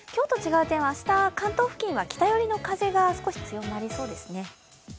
今日と違う点は明日、関東付近は北寄りの風が少し強まりそうですね。